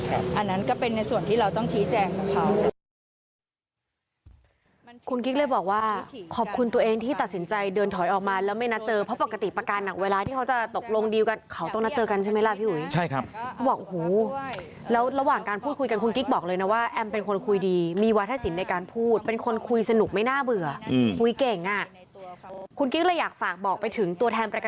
อันนั้นก็เป็นในส่วนที่เราต้องชี้แจงกับเขา